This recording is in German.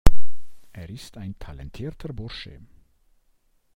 Er ist ein talentierter Bursche.